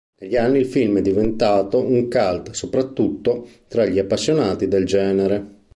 Negli anni il film è diventato un cult, soprattutto tra gli appassionati del genere.